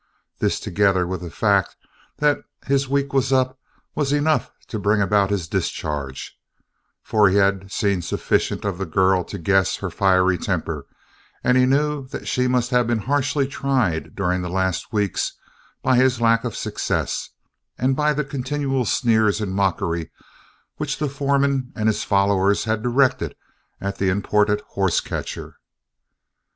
This, together with the fact that his week was up was enough to bring about his discharge, for he had seen sufficient of the girl to guess her fiery temper and he knew that she must have been harshly tried during the last weeks by his lack of success and by the continual sneers and mockery which the foreman and his followers had directed at the imported horse catcher.